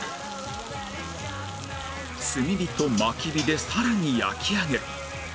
炭火と薪火でさらに焼き上げる